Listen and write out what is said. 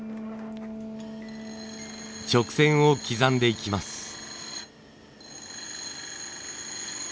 直線を刻んでいきます。